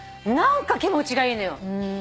何か気持ちがいいのよ。